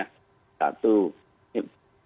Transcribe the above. satu tiga m itu diikuti